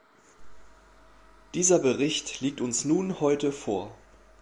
Dieser Bericht liegt uns nun heute vor.